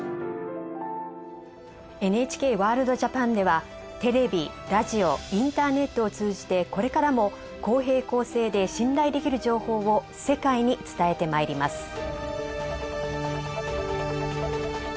「ＮＨＫワールドＪＡＰＡＮ」ではテレビラジオインターネットを通じてこれからも公平・公正で信頼できる情報を世界に伝えてまいります。